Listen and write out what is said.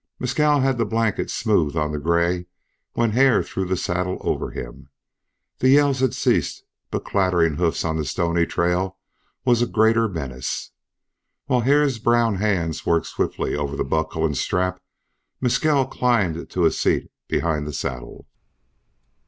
Mescal had the blanket smooth on the gray when Hare threw the saddle over him. The yells had ceased, but clattering hoofs on the stony trail were a greater menace. While Hare's brown hands worked swiftly over buckle and strap Mescal climbed to a seat behind the saddle.